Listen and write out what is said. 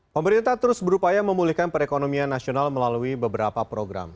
pemerintah terus berupaya memulihkan perekonomian nasional melalui beberapa program